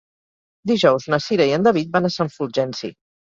Dijous na Cira i en David van a Sant Fulgenci.